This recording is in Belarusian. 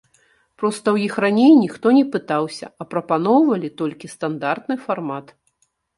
Проста ў іх раней ніхто не пытаўся, а прапаноўвалі толькі стандартны фармат.